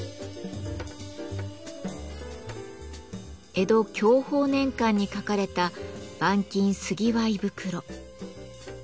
江戸享保年間に書かれた「万金産業袋」。